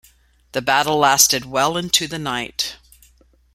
The battle lasted well into the night.